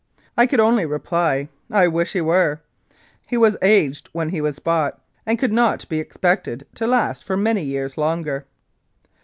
I could only reply, "I wish he were." He was "aged" when he was bought, and could not be expected to last for many years longer.